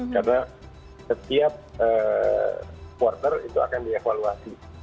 karena setiap quarter itu akan dievaluasi